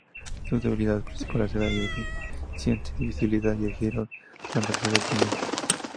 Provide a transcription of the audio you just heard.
Sus debilidades principales era la deficiente visibilidad y el giro transversal del cañón.